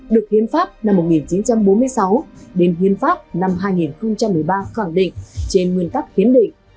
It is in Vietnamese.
được hiến pháp năm một nghìn chín trăm bốn mươi sáu đến hiến pháp năm hai nghìn một mươi ba khẳng định trên nguyên tắc hiến định